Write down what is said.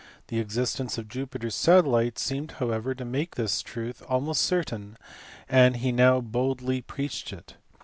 The existence of Jupiter s satellites seemed however to make its truth almost certain, and he now boldly preached it.